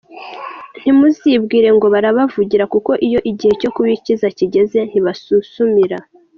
Ntimuzibwire ngo barabavugira, kuko iyo igihe cyo kubikiza kigeze ntibasusumira.